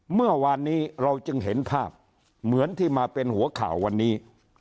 เมื่อวานนี้เราจึงเห็นภาพเหมือนที่มาเป็นหัวข่าววันนี้